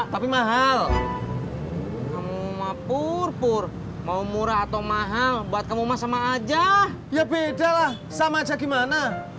tapi mahal kamu mah pur pur mau murah atau mahal buat kamu mah sama aja ya beda lah sama aja gimana